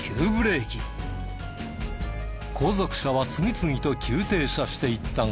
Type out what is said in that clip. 後続車は次々と急停車していったが。